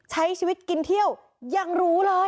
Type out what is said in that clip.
ใช้ชีวิตกินเที่ยวยังรู้เลย